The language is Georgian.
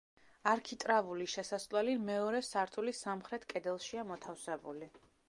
არქიტრავული შესასვლელი მეორე სართულის სამხრეთ კედელშია მოთავსებული.